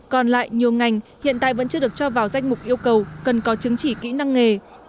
còn lại nhiều ngành hiện tại vẫn chưa được cho vào danh mục yêu cầu cần có chứng chỉ kỹ năng nghề